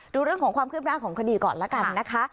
ดูเรื่องของความคืบหน้าของคดีก่อนแล้วกันนะคะ